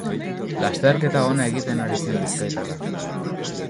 Lasterketa ona egiten ari zen bizkaitarra.